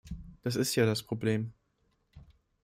Das ist ja das Problem.